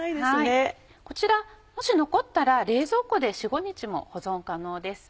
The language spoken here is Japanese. こちらもし残ったら冷蔵庫で４５日も保存可能です。